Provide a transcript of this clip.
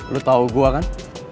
lu tahu gue kan